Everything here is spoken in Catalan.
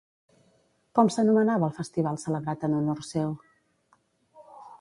Com s'anomenava el festival celebrat en honor seu?